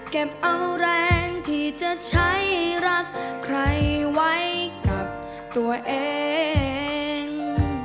เก็บเอาแรงที่จะใช้รักใครไว้กับตัวเอง